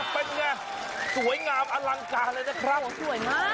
เป็นไงสวยงามอลังการเลยนะครับผมสวยมาก